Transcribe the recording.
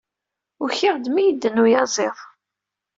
Ukiɣ-d mi yedden uyaziḍ.